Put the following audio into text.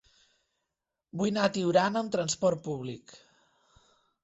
Vull anar a Tiurana amb trasport públic.